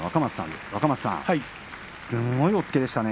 すごい押っつけでしたね。